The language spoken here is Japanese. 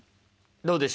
どうでしょう？